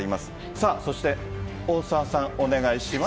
さあそして、大沢さん、お願いします。